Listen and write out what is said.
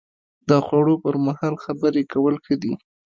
د خوړو پر مهال خبرې کول ښه دي؟